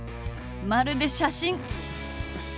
まるで写真！